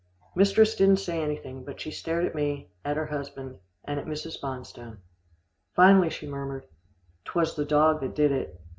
Mistress didn't say anything, but she stared at me, at her husband, and at Mrs. Bonstone. Finally she murmured, "'Twas the dog that did it."